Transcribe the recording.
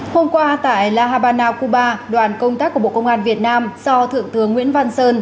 hôm qua tại la habana cuba đoàn công tác của bộ công an việt nam do thượng tướng nguyễn văn sơn